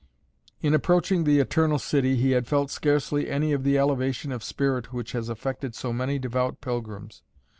In approaching the Eternal City he had felt scarcely any of the elevation of spirit which has affected so many devout pilgrims.